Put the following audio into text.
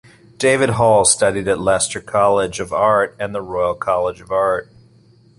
David Hall studied at Leicester College of Art and the Royal College of Art.